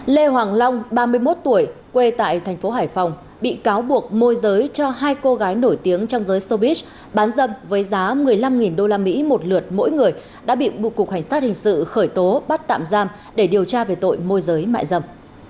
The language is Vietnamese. lê hoàng long ba mươi một tuổi quê tại thành phố hải phòng bị cáo buộc môi giới cho hai cô gái nổi tiếng trong giới sobis bán dâm với giá một mươi năm usd một lượt mỗi người đã bị buộc cục hành sát hình sự khởi tố bắt tạm giam để điều tra về tội môi giới mại dâm